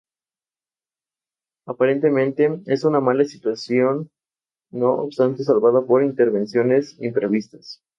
Consta de una única nave, dividida por tres arcos fajones.